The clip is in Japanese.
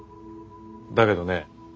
だけどね。